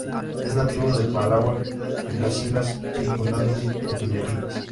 Es nativo de Palawan y las islas circundantes de las Filipinas.